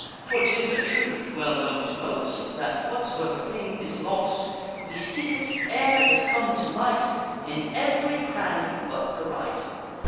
For 'tis a truth well known to most, That whatsoever thing is lost, We seek it, ere it come to light, In every cranny but the right.